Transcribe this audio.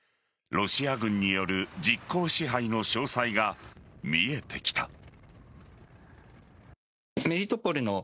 ロシア軍による実効支配の詳細が見えてきた。